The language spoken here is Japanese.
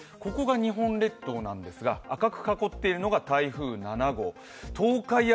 ここが日本列島なんですが赤く囲っているのが台風７号。